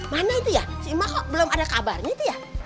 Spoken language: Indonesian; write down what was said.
mana itu ya cuma kok belum ada kabarnya itu ya